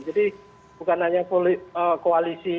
jadi bukan hanya koalisi